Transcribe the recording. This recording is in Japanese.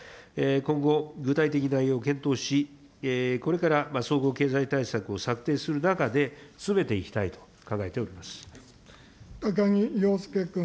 今後、具体的内容を検討し、これから総合経済対策を策定する中で詰めていきたいと考えており高木陽介君。